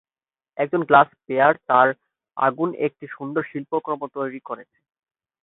একজন গ্লাসব্লোয়ার তার আগুনে একটি সুন্দর শিল্পকর্ম তৈরি করছে।